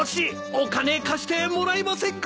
お金貸してもらえませんか？